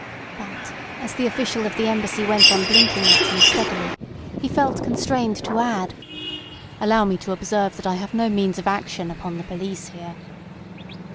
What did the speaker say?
But as the official of the Embassy went on blinking at him steadily he felt constrained to add: "Allow me to observe that I have no means of action upon the police here."